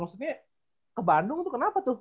maksudnya ke bandung tuh kenapa tuh